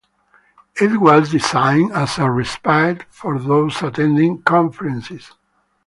It was designed as a respite for those attending conferences.